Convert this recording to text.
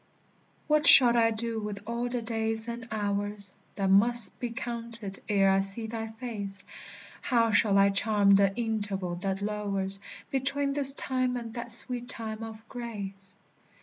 What shall I do with all the days and hours That must be counted ere I see thy face? How shall I charm the interval that lowers Between this time and that sweet time of grace?